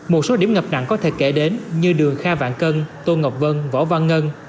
một số điểm ngập nặng có thể kể đến như đường kha vạn cân tô ngọc vân võ văn ngân